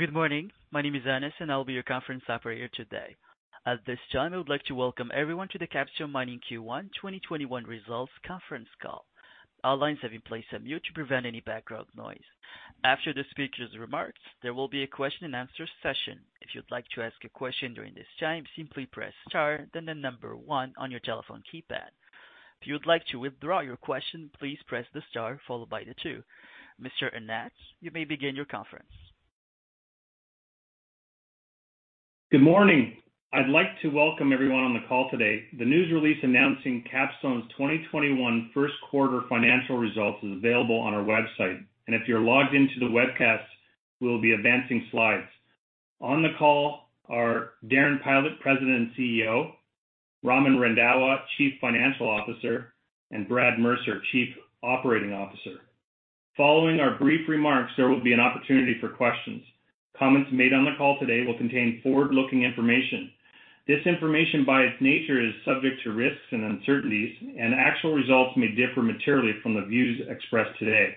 Good morning. My name is Anis, and I'll be your conference operator today. At this time, I would like to welcome everyone to the Capstone Mining Q1 2021 Results Conference Call. All lines have been placed on mute to prevent any background noise. After the speaker's remarks, there will be a question-and-answer session. If you'd like to ask a question during this time, simply press star, then the number one on your telephone keypad. If you would like to withdraw your question, please press the star followed by the two. Mr. Annett, you may begin your conference. Good morning. I'd like to welcome everyone on the call today. The news release announcing Capstone's 2021 first quarter financial results is available on our website. If you're logged into the webcast, we'll be advancing slides. On the call are Darren Pylot, President and CEO, Raman Randhawa, Chief Financial Officer, and Brad Mercer, Chief Operating Officer. Following our brief remarks, there will be an opportunity for questions. Comments made on the call today will contain forward-looking information. This information, by its nature, is subject to risks and uncertainties. Actual results may differ materially from the views expressed today.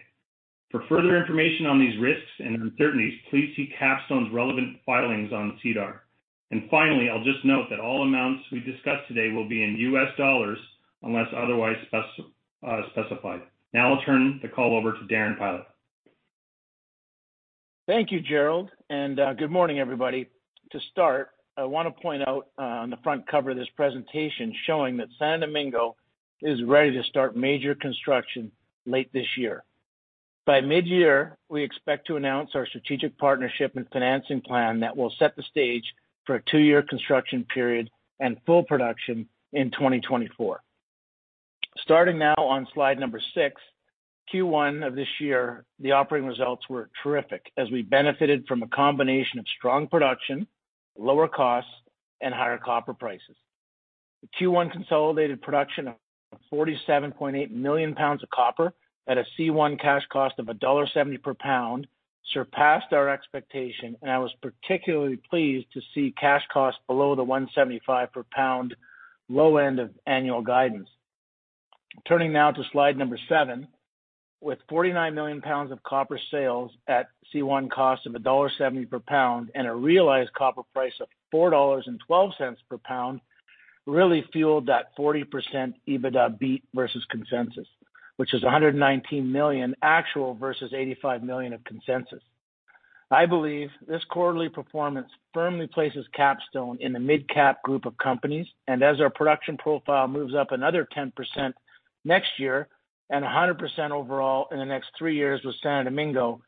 For further information on these risks and uncertainties, please see Capstone's relevant filings on SEDAR. Finally, I'll just note that all amounts we discuss today will be in U.S. dollars unless otherwise specified. Now I'll turn the call over to Darren Pylot. Thank you, Jerrold, and good morning, everybody. To start, I want to point out on the front cover of this presentation showing that Santo Domingo is ready to start major construction late this year. By mid-year, we expect to announce our strategic partnership and financing plan that will set the stage for a two-year construction period and full production in 2024. Starting now on slide number six, Q1 of this year, the operating results were terrific as we benefited from a combination of strong production, lower costs, and higher copper prices. The Q1 consolidated production of 47.8 million pounds of copper at a C1 cash cost of $1.70 per pound surpassed our expectation, and I was particularly pleased to see cash costs below the $1.75 per pound low end of annual guidance. Turning now to slide number seven, with 49 million pounds of copper sales at C1 cost of $1.70 per pound and a realized copper price of $4.12 per pound really fueled that 40% EBITDA beat versus consensus, which is $119 million actual versus $85 million of consensus. I believe this quarterly performance firmly places Capstone in the midcap group of companies, and as our production profile moves up another 10% next year and 100% overall in the next three years with Santo Domingo,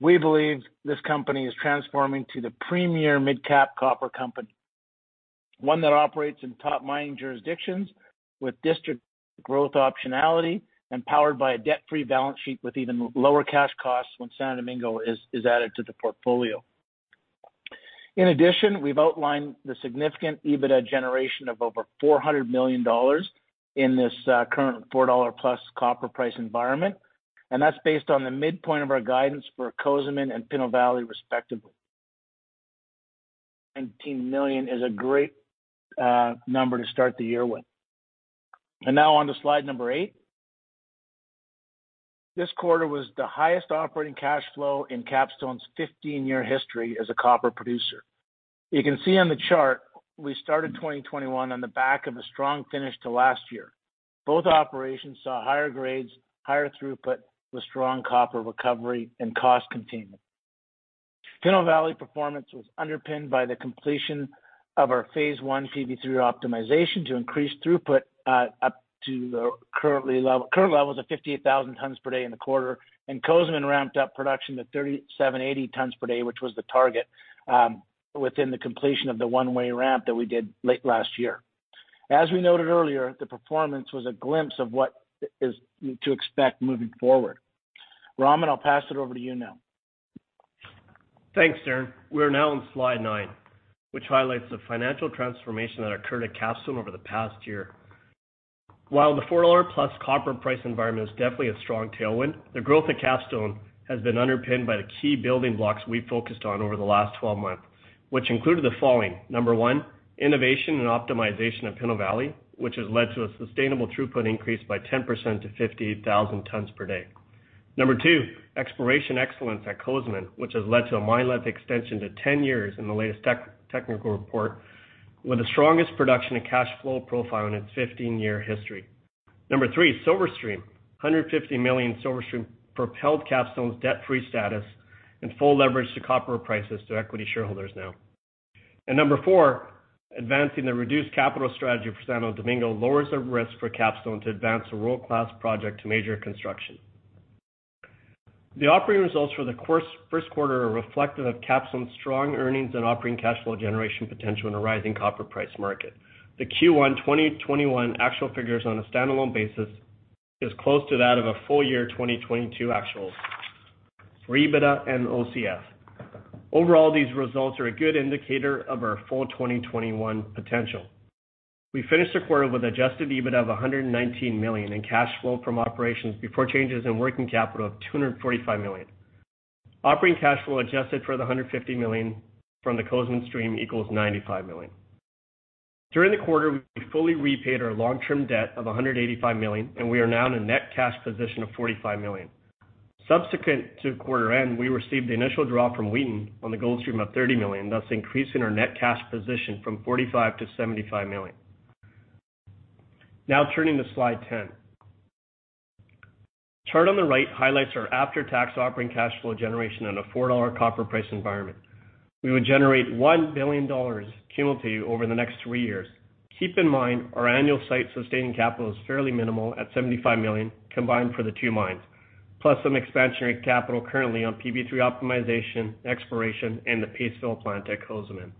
we believe this company is transforming to the premier midcap copper company, one that operates in top mining jurisdictions with district growth optionality and powered by a debt-free balance sheet with even lower cash costs when Santo Domingo is added to the portfolio. In addition, we've outlined the significant EBITDA generation of over $400 million in this current $4 plus copper price environment, and that's based on the midpoint of our guidance for Cozamin and Pinto Valley, respectively. $119 million is a great number to start the year with. Now on to slide number eight. This quarter was the highest operating cash flow in Capstone's 15-year history as a copper producer. You can see on the chart we started 2021 on the back of a strong finish to last year. Both operations saw higher grades, higher throughput with strong copper recovery and cost containment. Pinto Valley performance was underpinned by the completion of our phase 1 PV3 optimization to increase throughput up to the current levels of 58,000 tons per day in the quarter. Cozamin ramped up production to 3780 tons per day, which was the target within the completion of the one-way ramp that we did late last year. As we noted earlier, the performance was a glimpse of what is to expect moving forward. Raman, I'll pass it over to you now. Thanks, Darren. We're now on slide nine, which highlights the financial transformation that occurred at Capstone over the past year. While the $4+ copper price environment is definitely a strong tailwind, the growth at Capstone has been underpinned by the key building blocks we focused on over the last 12 months, which included the following. Number one, innovation and optimization of Pinto Valley, which has led to a sustainable throughput increase by 10% to 58,000 tons per day. Number two, exploration excellence at Cozamin, which has led to a mine life extension to 10 years in the latest technical report with the strongest production and cash flow profile in its 15-year history. Number three, silver stream. A $150 million silver stream propelled Capstone's debt-free status and full leverage to copper prices to equity shareholders now. Number four, advancing the reduced capital strategy for Santo Domingo lowers the risk for Capstone to advance a world-class project to major construction. The operating results for the first quarter are reflective of Capstone's strong earnings and operating cash flow generation potential in a rising copper price market. The Q1 2021 actual figures on a standalone basis is close to that of a full year 2022 actuals for EBITDA and OCF. Overall, these results are a good indicator of our full 2021 potential. We finished the quarter with adjusted EBITDA of $119 million in cash flow from operations before changes in working capital of $245 million. Operating cash flow adjusted for the $150 million from the Cozamin stream equals $95 million. During the quarter, we fully repaid our long-term debt of $185 million. We are now in a net cash position of $45 million. Subsequent to quarter end, we received the initial draw from Wheaton on the gold stream of $30 million, thus increasing our net cash position from $45 million to $75 million. Turning to slide 10. The chart on the right highlights our after-tax operating cash flow generation on a $4 copper price environment. We would generate $1 billion cumulative over the next three years. Keep in mind our annual site sustaining capital is fairly minimal at $75 million combined for the two mines, plus some expansionary capital currently on PV3 optimization, exploration, and the paste backfill plant at Cozamin.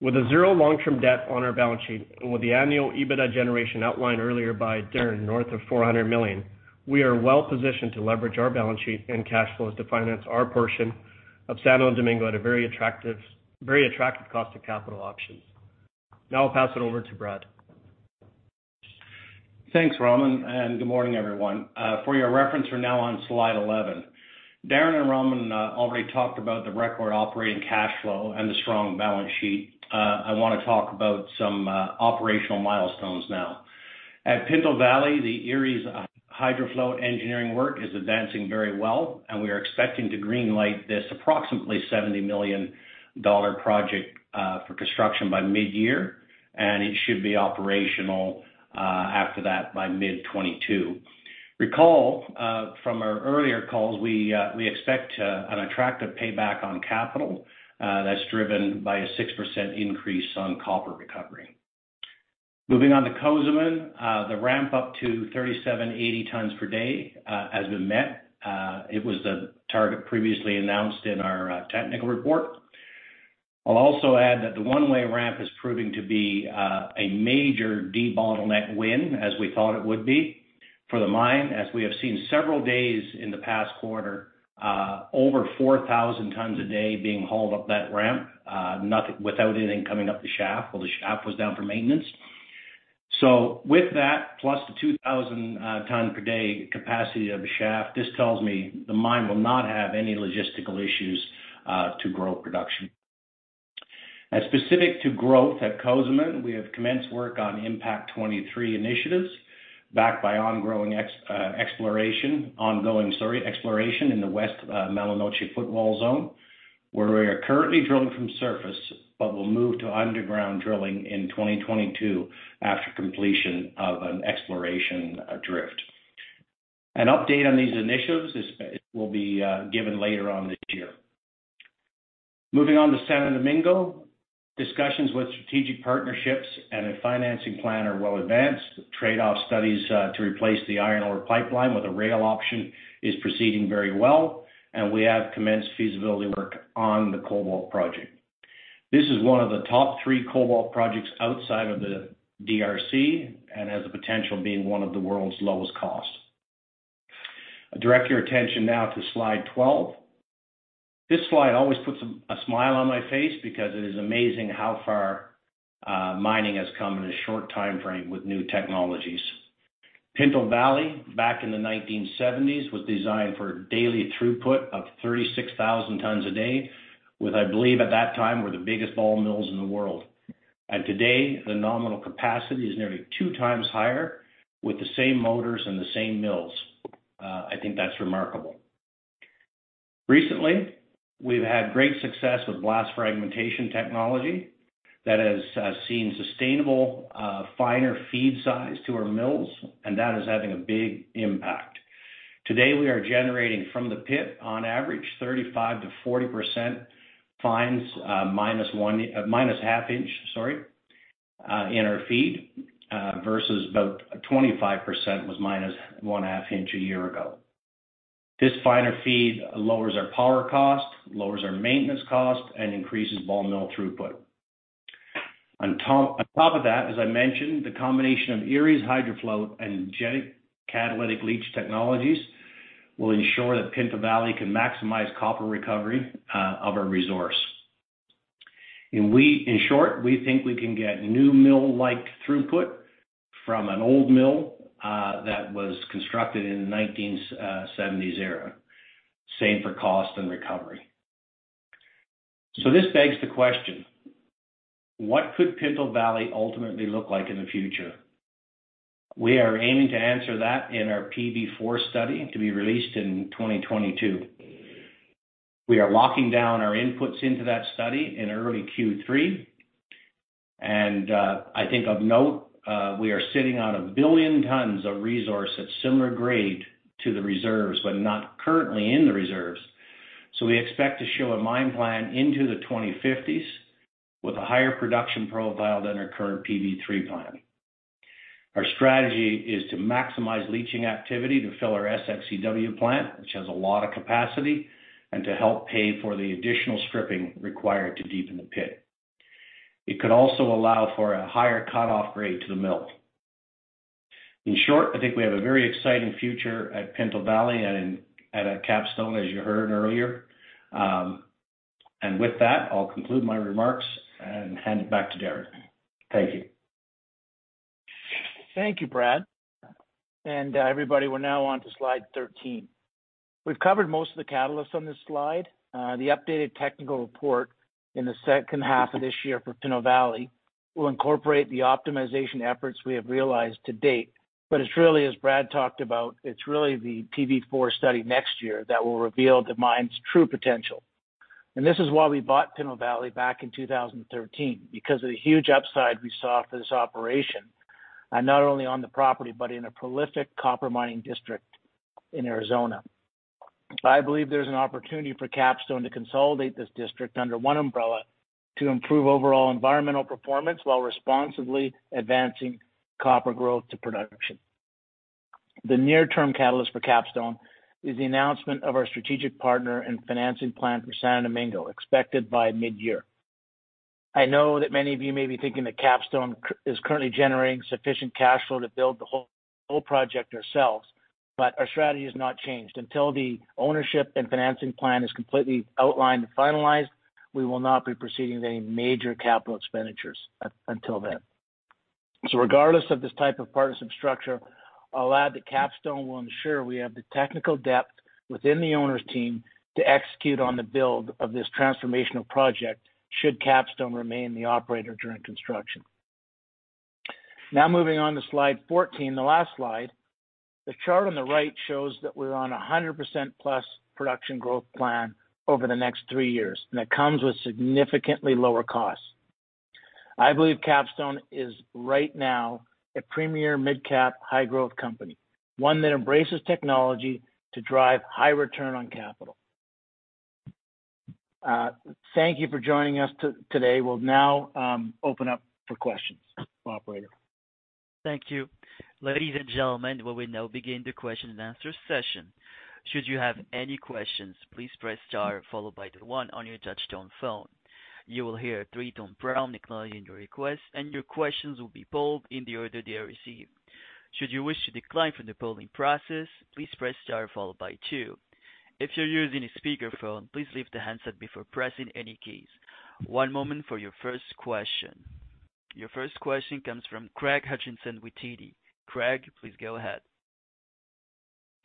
With a zero long-term debt on our balance sheet and with the annual EBITDA generation outlined earlier by Darren north of $400 million, we are well positioned to leverage our balance sheet and cash flows to finance our portion of Santo Domingo at a very attractive cost of capital options. I'll pass it over to Brad. Thanks, Raman. Good morning, everyone. For your reference, we're now on slide 11. Darren and Raman already talked about the record operating cash flow and the strong balance sheet. I want to talk about some operational milestones now. At Pinto Valley, the Eriez HydroFloat engineering work is advancing very well. We are expecting to green-light this approximately $70 million project for construction by mid-year. It should be operational after that by mid 2022. Recall from our earlier calls, we expect an attractive payback on capital that's driven by a 6% increase on copper recovery. Moving on to Cozamin, the ramp-up to 3,780 tons per day has been met. It was the target previously announced in our technical report. I'll also add that the one-way ramp is proving to be a major debottleneck win as we thought it would be for the mine, as we have seen several days in the past quarter, over 4,000 tons a day being hauled up that ramp, without anything coming up the shaft, while the shaft was down for maintenance. With that, plus the 2,000 ton per day capacity of the shaft, this tells me the mine will not have any logistical issues to grow production. Specific to growth at Cozamin, we have commenced work on Impact 23 initiatives, backed by ongoing exploration in the West Mala Noche Footwall Zone, where we are currently drilling from surface but will move to underground drilling in 2022 after completion of an exploration drift. An update on these initiatives will be given later on this year. Moving on to Santo Domingo, discussions with strategic partnerships and a financing plan are well advanced. Trade-off studies to replace the iron ore pipeline with a rail option is proceeding very well, and we have commenced feasibility work on the cobalt project. This is one of the top three cobalt projects outside of the DRC and has the potential of being one of the world's lowest cost. I direct your attention now to slide 12. This slide always puts a smile on my face because it is amazing how far mining has come in a short timeframe with new technologies. Pinto Valley, back in the 1970s, was designed for a daily throughput of 36,000 tons a day with, I believe, at that time, were the biggest ball mills in the world. Today, the nominal capacity is nearly 2x higher with the same motors and the same mills. I think that's remarkable. Recently, we've had great success with blast fragmentation technology that has seen sustainable finer feed size to our mills, and that is having a big impact. Today, we are generating from the pit, on average, 35%-40% fines, minus half inch in our feed, versus about 25% was minus half inch a year ago. This finer feed lowers our power cost, lowers our maintenance cost, and increases ball mill throughput. On top of that, as I mentioned, the combination of Eriez HydroFloat and Jetti catalytic leach technologies will ensure that Pinto Valley can maximize copper recovery of our resource. In short, we think we can get new mill-like throughput from an old mill that was constructed in the 1970s era, same for cost and recovery. This begs the question, what could Pinto Valley ultimately look like in the future? We are aiming to answer that in our PV4 study to be released in 2022. We are locking down our inputs into that study in early Q3. I think of note, we are sitting on a billion tons of resource at similar grade to the reserves, but not currently in the reserves. We expect to show a mine plan into the 2050s with a higher production profile than our current PV3 plan. Our strategy is to maximize leaching activity to fill our SX-EW plant, which has a lot of capacity, and to help pay for the additional stripping required to deepen the pit. It could also allow for a higher cut-off grade to the mill. In short, I think we have a very exciting future at Pinto Valley and at Capstone, as you heard earlier. With that, I'll conclude my remarks and hand it back to Darren. Thank you. Thank you, Brad. Everybody, we're now onto slide 13. We've covered most of the catalysts on this slide. The updated technical report in the second half of this year for Pinto Valley will incorporate the optimization efforts we have realized to date. As Brad talked about, it's really the PV4 study next year that will reveal the mine's true potential. This is why we bought Pinto Valley back in 2013, because of the huge upside we saw for this operation, not only on the property, but in a prolific copper mining district in Arizona. I believe there's an opportunity for Capstone to consolidate this district under one umbrella to improve overall environmental performance while responsibly advancing copper growth to production. The near-term catalyst for Capstone is the announcement of our strategic partner and financing plan for Santo Domingo, expected by midyear. I know that many of you may be thinking that Capstone is currently generating sufficient cash flow to build the whole project ourselves. Our strategy has not changed. Until the ownership and financing plan is completely outlined and finalized, we will not be proceeding with any major capital expenditures until then. Regardless of this type of partnership structure, I'll add that Capstone will ensure we have the technical depth within the owner's team to execute on the build of this transformational project, should Capstone remain the operator during construction. Moving on to slide 14, the last slide. The chart on the right shows that we're on 100%+ production growth plan over the next three years. That comes with significantly lower costs. I believe Capstone is right now a premier mid-cap high growth company, one that embraces technology to drive high return on capital. Thank you for joining us today. We will now open up for questions. Operator. Thank you. Ladies and Gentlemen, we will now begin the question-and-answer session. Should you have any question please press star followed by number one on your touchtone phone. Your first question comes from Craig Hutchison with TD. Craig, please go ahead.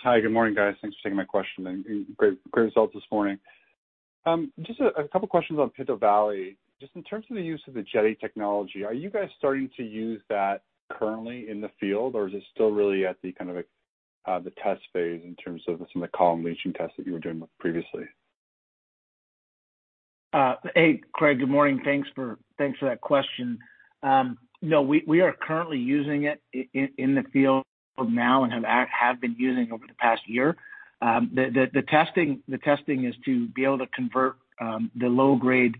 Hi. Good morning, guys. Thanks for taking my question. Great results this morning. Just a couple of questions on Pinto Valley. Just in terms of the use of the Jetti technology, are you guys starting to use that currently in the field, or is it still really at the test phase in terms of some of the column leaching tests that you were doing previously? Hey, Craig. Good morning. Thanks for that question. No, we are currently using it in the field now and have been using over the past year. The testing is to be able to convert the low-grade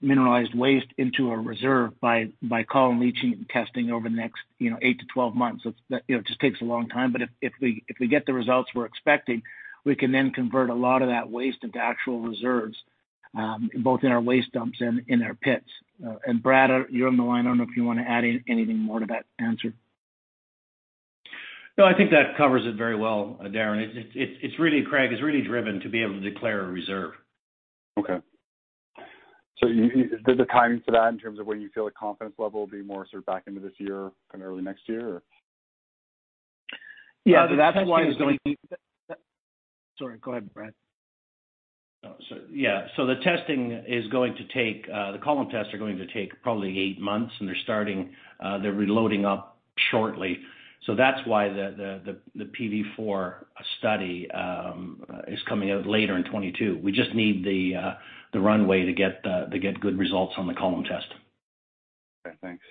mineralized waste into a reserve by column leaching and testing over the next eight to 12 months. It just takes a long time, but if we get the results we're expecting, we can then convert a lot of that waste into actual reserves, both in our waste dumps and in our pits. Brad, you're on the line. I don't know if you want to add anything more to that answer. No, I think that covers it very well, Darren. Craig, it's really driven to be able to declare a reserve. Okay. There's a timing to that in terms of when you feel a confidence level will be more back into this year, early next year or? Yeah, but that's why- The testing is going to- Sorry, go ahead, Brad. Yeah. The column testing are going to take probably eight months, and they're reloading up shortly. That's why the PV4 study is coming out later in 2022. We just need the runway to get good results on the column test. Okay, thanks.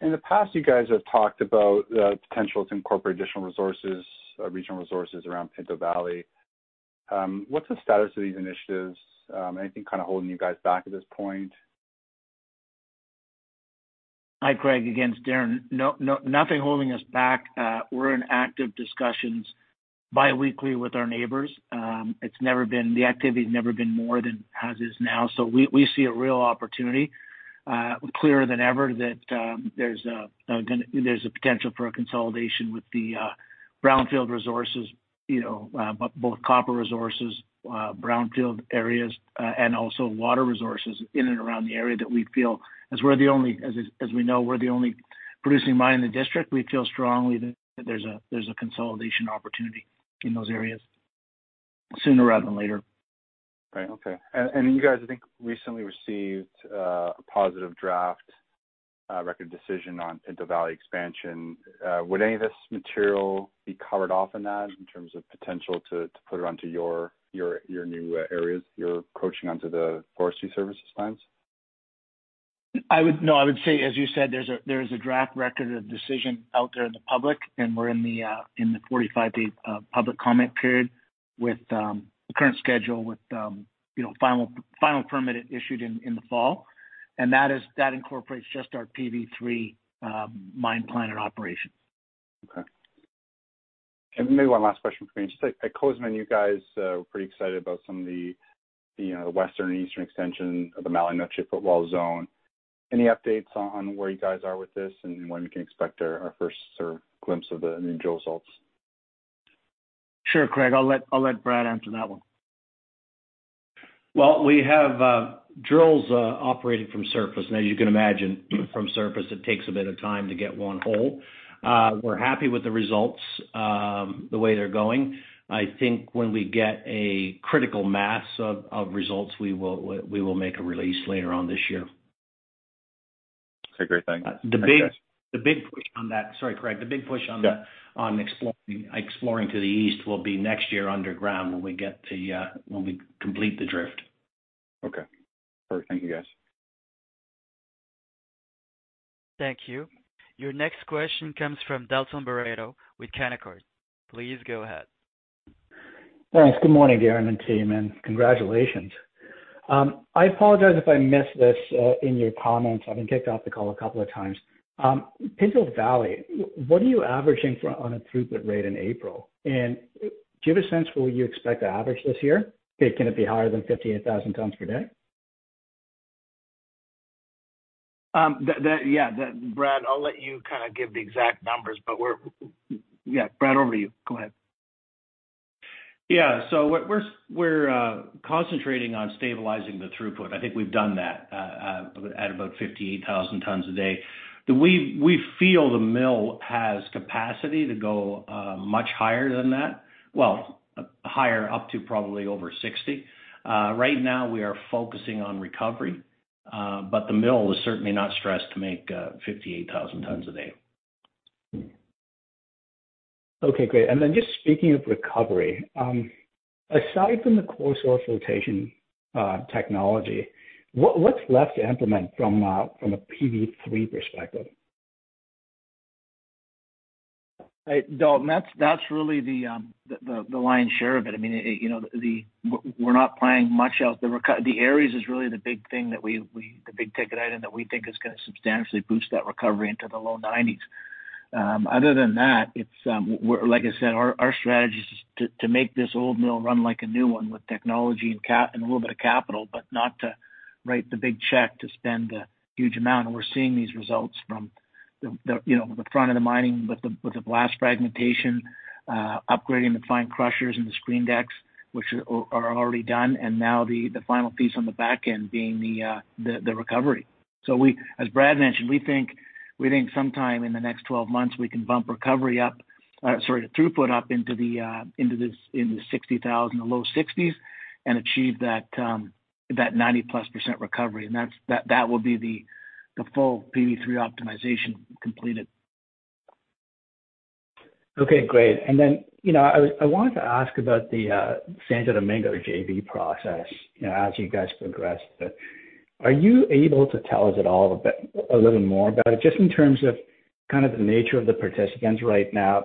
In the past, you guys have talked about the potential to incorporate additional regional resources around Pinto Valley. What is the status of these initiatives? Anything holding you guys back at this point? Hi, Craig. Again, it's Darren. No, nothing holding us back. We're in active discussions biweekly with our neighbors. The activity's never been more than as is now. We see a real opportunity, clearer than ever, that there's a potential for a consolidation with the brownfield resources, both copper resources, brownfield areas, and also water resources in and around the area that we feel, as we know we're the only producing mine in the district, we feel strongly that there's a consolidation opportunity in those areas sooner rather than later. Right. Okay. You guys, I think, recently received a positive draft record decision on Pinto Valley expansion. Would any of this material be covered off in that in terms of potential to put it onto your new areas you're approaching onto the Forest Service plans? No, I would say, as you said, there's a draft record of decision out there in the public, and we're in the 45-day public comment period with the current schedule, with final permit issued in the fall. That incorporates just our PV3 mine plan and operation. Okay. Maybe one last question for me. Just at Cozamin, you guys were pretty excited about some of the western and eastern extension of the Mala Noche Footwall Zone. Any updates on where you guys are with this and when we can expect our first glimpse of the new drill results? Sure, Craig. I'll let Brad answer that one. Well, we have drills operating from surface, and as you can imagine, from surface, it takes a bit of time to get one hole. We're happy with the results, the way they're going. I think when we get a critical mass of results, we will make a release later on this year. Okay, great. Thanks. Sorry, Craig. The big push on exploring to the east will be next year underground when we complete the drift. Okay. All right. Thank you, guys. Thank you. Your next question comes from Dalton Baretto with Canaccord. Please go ahead. Thanks. Good morning, Darren and team, and congratulations. I apologize if I missed this in your comments. I've been kicked off the call a couple of times. Pinto Valley, what are you averaging on a throughput rate in April? Do you have a sense what you expect to average this year? Can it be higher than 58,000 tons per day? Yeah. Brad, I'll let you give the exact numbers. Brad, over to you. Go ahead. Yeah. We're concentrating on stabilizing the throughput. I think we've done that at about 58,000 tons a day. We feel the mill has capacity to go much higher than that. Well, higher up to probably over 60. Right now, we are focusing on recovery. The mill is certainly not stressed to make 58,000 tons a day. Okay, great. Just speaking of recovery, aside from the coarse particle flotation technology, what's left to implement from a PV4 perspective? Dalton, that's really the lion's share of it. We're not planning much else. The Eriez is really the big thing, the big-ticket item that we think is going to substantially boost that recovery into the low 90s. Other than that, like I said, our strategy is to make this old mill run like a new one with technology and a little bit of capital, but not to write the big check to spend a huge amount. We're seeing these results from the front of the mining with the blast fragmentation, upgrading the fine crushers and the screen decks, which are already done, and now the final piece on the back end being the recovery. As Brad mentioned, we think sometime in the next 12 months, we can bump throughput up into the 60,000, the low 60s and achieve that 90%+ recovery. That will be the full PV3 optimization completed. Okay, great. I wanted to ask about the Santo Domingo JV process as you guys progress. Are you able to tell us at all a little more about it, just in terms of the nature of the participants right now,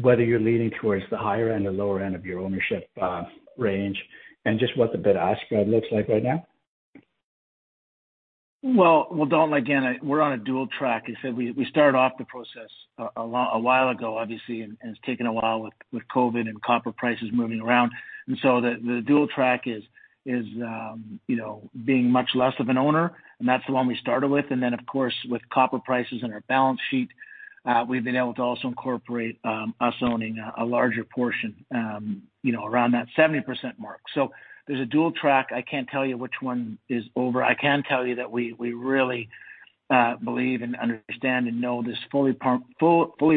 whether you're leaning towards the higher end or lower end of your ownership range, and just what the bid ask spread looks like right now? Well, Dalton, again, we're on a dual track. As I said, we started off the process a while ago, obviously, and it's taken a while with COVID and copper prices moving around. The dual track is being much less of an owner, and that's the one we started with. Of course, with copper prices in our balance sheet, we've been able to also incorporate us owning a larger portion around that 70% mark. There's a dual track. I can't tell you which one is over. I can tell you that we really believe and understand and know this fully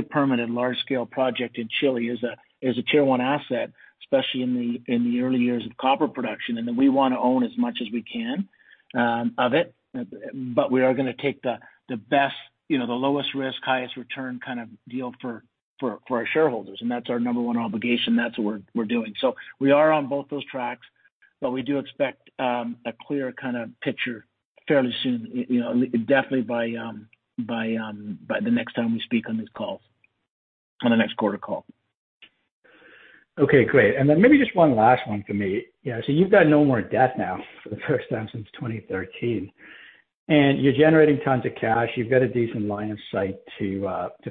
permitted large-scale project in Chile is a Tier 1 asset, especially in the early years of copper production. We want to own as much as we can of it. We are going to take the best, the lowest risk, highest return kind of deal for our shareholders. That's our number one obligation. That's what we're doing. We are on both those tracks, we do expect a clear picture fairly soon, definitely by the next time we speak on these calls, on the next quarter call. Okay, great. Maybe just one last one for me. Yeah. You've got no more debt now for the first time since 2013. You're generating tons of cash. You've got a decent line of sight to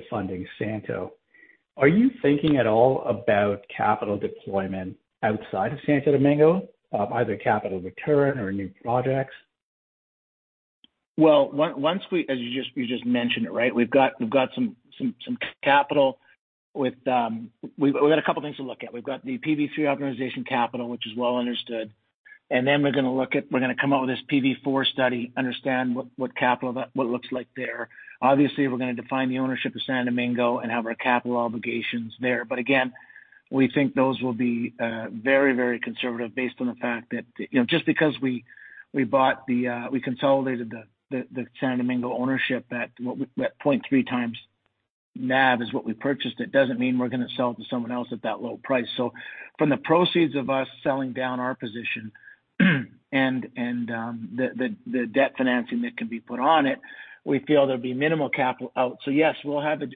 funding Santo. Are you thinking at all about capital deployment outside of Santo Domingo, either capital return or new projects? Well, as you just mentioned it, we've got some capital. We've got a couple of things to look at. We've got the PV3 optimization capital, which is well understood. We're going to come out with this PV4 study, understand what it looks like there. Obviously, we're going to define the ownership of Santo Domingo and have our capital obligations there. Again, we think those will be very conservative based on the fact that just because we consolidated the Santo Domingo ownership at 0.3x NAV is what we purchased it, doesn't mean we're going to sell to someone else at that low price. From the proceeds of us selling down our position and the debt financing that can be put on it, we feel there'll be minimal capital out. Yes,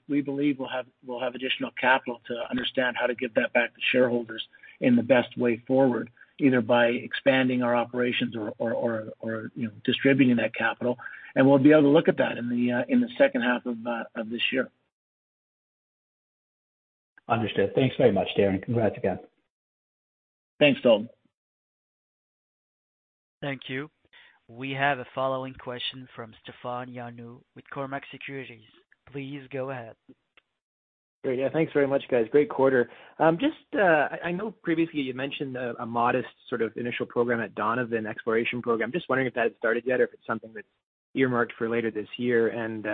we believe we'll have additional capital to understand how to give that back to shareholders in the best way forward, either by expanding our operations or distributing that capital. We'll be able to look at that in the second half of this year. Understood. Thanks very much, Darren. Congrats again. Thanks, Dalton. Thank you. We have a following question from Stefan Ioannou with Cormark Securities. Please go ahead. Great. Yeah, thanks very much, guys. Great quarter. I know previously you mentioned a modest initial program at Donovan exploration program. Just wondering if that had started yet or if it's something that's earmarked for later this year, and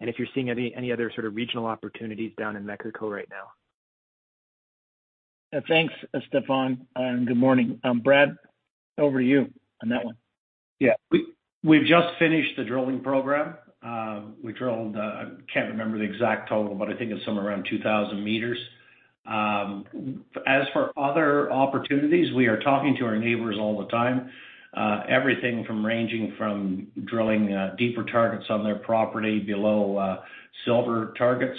if you're seeing any other regional opportunities down in Mexico right now. Thanks, Stefan. Good morning. Brad, over to you on that one. Yeah. We've just finished the drilling program. We drilled, I can't remember the exact total, but I think it's somewhere around 2,000 meters. As for other opportunities, we are talking to our neighbors all the time. Everything from ranging from drilling deeper targets on their property below silver targets,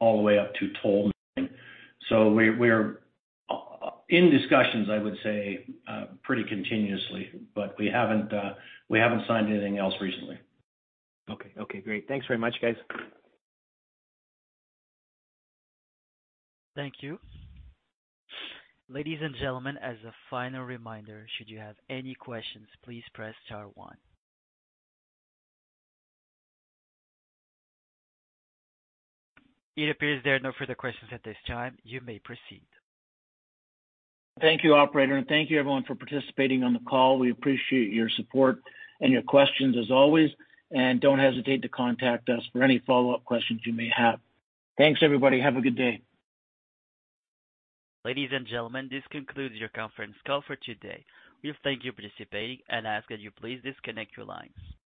all the way up to tolling. We're in discussions, I would say, pretty continuously, but we haven't signed anything else recently. Okay. Great. Thanks very much, guys. Thank you. Ladies and gentlemen, as a final reminder, should you have any questions, please press star one. It appears there are no further questions at this time. You may proceed. Thank you, operator, and thank you everyone for participating on the call. We appreciate your support and your questions as always, and don't hesitate to contact us for any follow-up questions you may have. Thanks, everybody. Have a good day. Ladies and gentlemen, this concludes your conference call for today. We thank you for participating and ask that you please disconnect your lines.